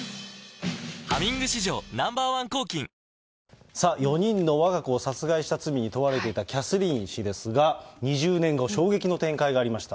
「ハミング」史上Ｎｏ．１抗菌さあ、４人のわが子を殺害した罪に問われていたキャスリーン氏ですが、２０年後、衝撃の展開がありました。